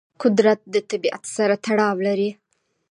قدرت د طبیعت سره تړاو لري.